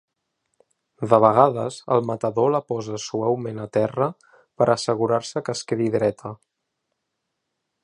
De vegades el matador la posa suaument a terra per assegurar-se que es quedi dreta.